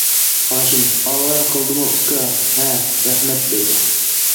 ھاشىم:-ئاۋارە قىلدىم ئۇكام ھە، رەھمەت، دەيدۇ.